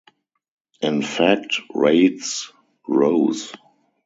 In fact, rates rose.